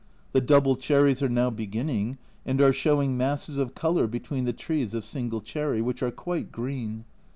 The double cherries are now beginning and are show ing masses of colour between the trees of single cherry, which are quite green.